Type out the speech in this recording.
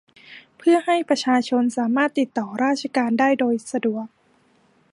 เพื่อให้ประชาชนสามารถติดต่อราชการได้โดยสะดวก